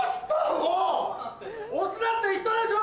押すなって言ったでしょ！